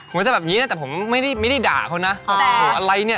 ผมก็จะแบบนี้นะแต่ผมไม่ได้ด่าเขานะอะไรเนี่ย